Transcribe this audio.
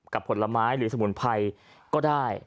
ผลไม้หรือสมุนไพรก็ได้